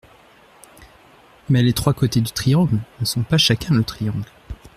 Mais les trois côtés du triangle ne sont pas chacun le triangle.